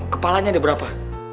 kepalanya ada berapa